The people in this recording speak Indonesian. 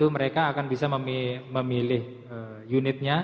mereka akan bisa memilih unitnya